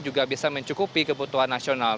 juga bisa mencukupi kebutuhan nasional